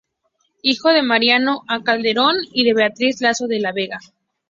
Hijo de Mariano A. Calderón y de Beatriz Lazo de la Vega.